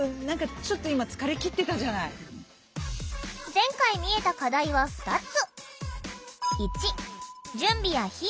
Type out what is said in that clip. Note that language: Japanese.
前回見えた課題は２つ。